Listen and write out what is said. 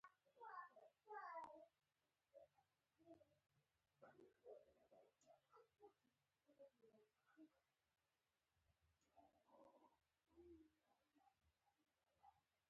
کله به یې چې د هغه د غوښې بوی تر سپېږمو شو.